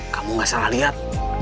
kamu nggak salah lihat